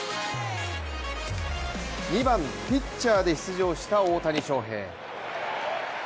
２番・ピッチャーで出場した大谷翔平。